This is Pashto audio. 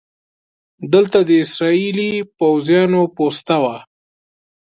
دلته د اسرائیلي پوځیانو پوسته وه.